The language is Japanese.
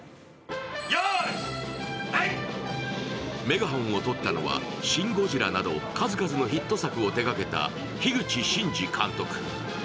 メガホンをとったのは「シン・ゴジラ」など数々のヒット作を手がけた樋口真嗣監督。